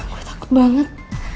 gue takut banget